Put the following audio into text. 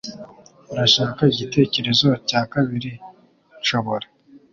Urashaka igitekerezo cya kabiri? Nshobora